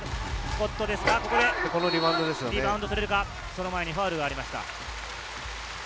リバウンドの前にファウルがありました。